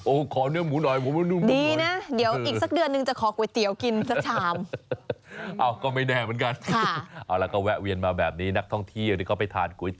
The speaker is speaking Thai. โอ้โหขอเนื้อหมูหน่อยโมงโมงโมง